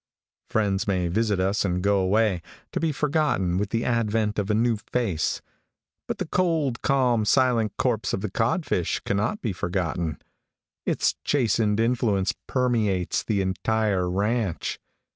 Friends may visit us and go away, to be forgotten with the advent of a new face; but the cold, calm, silent corpse of the codfish cannot be forgotten. Its chastened influence permeates the entire ranch.